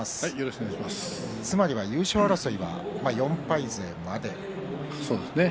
つまりは優勝争いは４敗勢まで。